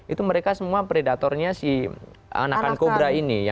itu mereka semua predatornya si anakan kobra ini